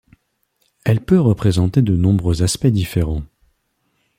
Elle peut présenter de nombreux aspects différents.